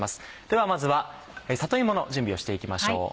ではまずは里芋の準備をして行きましょう。